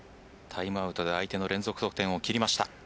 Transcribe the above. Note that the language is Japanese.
タイムアウトで相手の連続得点を切りました。